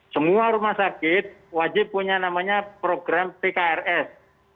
semua rumah sakit wajib punya namanya program pkrs